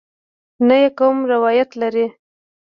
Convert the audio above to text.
نه یې کوم روایت لرې.